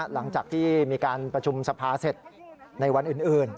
หลังจากที่มีการประชุมสภาเสร็จในวันอื่น